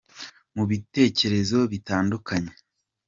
Mu bitekerezo bitandukanye